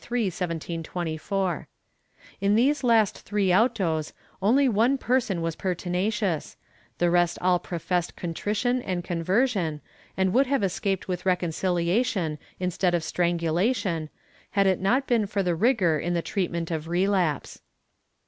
^ In these last three autos only one person was pertinacious; the rest all professed contrition and conversion and would have escaped with reconciHation instead of strangulation had it not been for the rigor in the treatment of relapse.